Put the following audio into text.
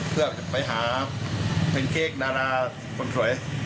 เพื่อไปหาแพนเค้กดาราคนสวย